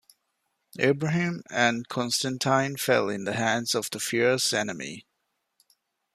Ibrahim and Constantine fell in the hands of the fierce enemy.